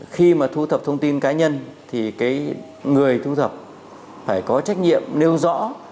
khi mà thu thập thông tin cá nhân thì người thu thập phải có trách nhiệm nêu rõ